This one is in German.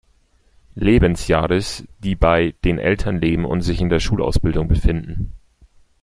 Lebensjahres, die bei den Eltern leben und sich in der Schulausbildung befinden.